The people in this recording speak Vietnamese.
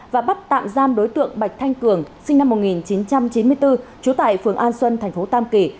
và bắt tạm giam đối tượng bạch thanh cường sinh năm một nghìn chín trăm chín mươi bốn trú tại phường an xuân thành phố tam kỳ